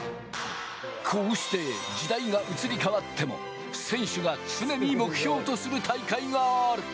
こうして時代が移り変わっても、選手が常に目標とする大会がある。